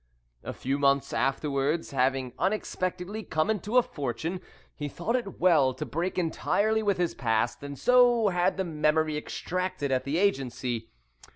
A few months afterwards, having unexpectedly come into a fortune, he thought it well to break entirely with his past, and so had the memory extracted at the Agency.